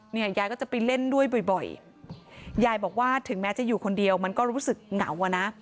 ยายก็จะไปเล่นด้วยบ่อยยายบอกว่าถึงแม้จะอยู่คนเดียวมันก็รู้สึกเหงาอะนะ